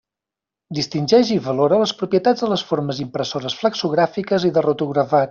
Distingeix i valora les propietats de les formes impressores flexogràfiques i de rotogravat.